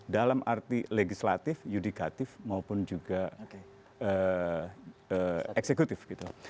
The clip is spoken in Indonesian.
dalam arti legislatif yudikatif maupun juga eksekutif gitu